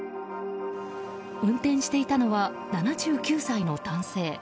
運転していたのは７９歳の男性。